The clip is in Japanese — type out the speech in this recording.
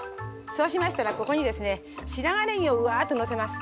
そうしましたらここにですね白髪ネギをウワーッとのせます。